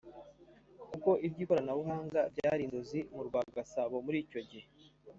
kuko iby’ikoranabuhanga byari inzozi mu rwa Gasabo muri icyo gihe